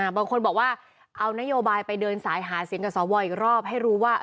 บางคนบอกว่าเอานโยบายไปเดินสายหาเสียงกับสวอีกรอบให้รู้ว่า